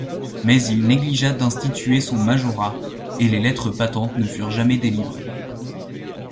Mais il négligea d'instituer son majorat et les lettres patentes ne furent jamais délivrées.